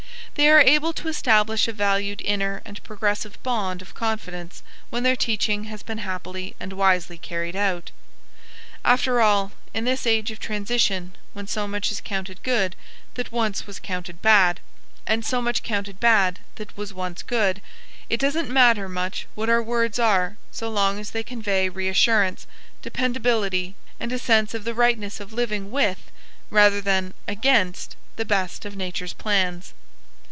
They are able to establish a valued inner and progressive bond of confidence when their teaching has been happily and wisely carried out. After all, in this age of transition when so much is counted good that once was counted bad, and so much counted bad that was once good, it doesn't matter much what our words are so long as they convey reassurance, dependability, and a sense of the rightness of living with rather than against the best of Nature's plans.